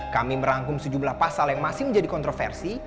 kami merangkum sejumlah pasal yang masih menjadi kontroversi